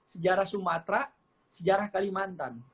sejarah sumatera sejarah kalimantan